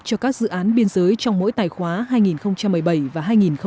cho các dự án biên giới trong mỗi tài khoá hai nghìn một mươi bảy và hai nghìn một mươi tám